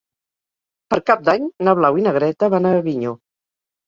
Per Cap d'Any na Blau i na Greta van a Avinyó.